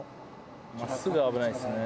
真っすぐは危ないですね。